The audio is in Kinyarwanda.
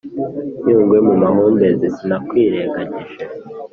nyungwe mu mahumbezi sinakwirengagije